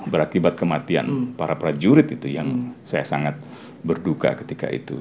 berakibat kematian para prajurit itu yang saya sangat berduka ketika itu